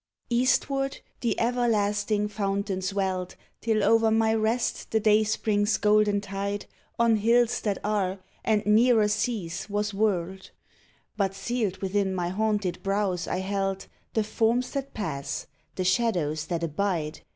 Eastward the everlasting fountains welled Till o'er my rest the dayspring's golden tide On hills that are and nearer seas was whirled; But sealed within my haunted brows I held The forms that pass, the shadows that abide.